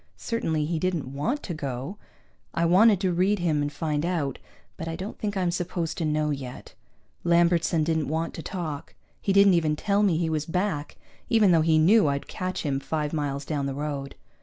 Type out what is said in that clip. Certainly he didn't want to go. I wanted to read him and find out, but I don't think I'm supposed to know yet. Lambertson didn't want to talk. He didn't even tell me he was back, even though he knew I'd catch him five miles down the road.